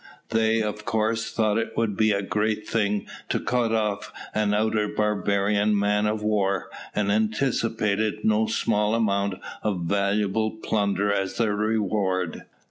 They, of course, thought it would be a great thing to cut off an outer Barbarian man of war, and anticipated no small amount of valuable plunder as their reward.